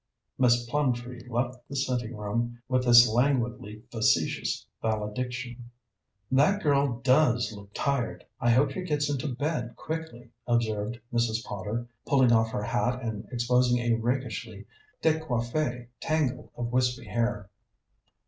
Miss Plumtree left the sitting room with this languidly facetious valediction. "That girl does look tired. I hope she gets into bed quickly," observed Mrs. Potter, pulling off her hat and exposing a rakishly décoiffé tangle of wispy hair.